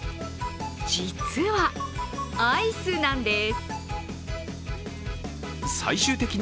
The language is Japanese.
実は、アイスなんです。